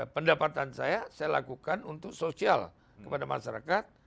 pendapatan saya saya lakukan untuk sosial kepada masyarakat